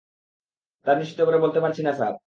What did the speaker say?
তা নিশ্চিত বলতে পারছি না, স্যার।